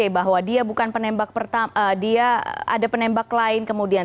bahwa dia bukan penembak pertama dia ada penembak lain kemudian